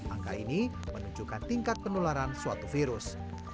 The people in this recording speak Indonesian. angka ini menunjukkan tingkat penularan suatu virus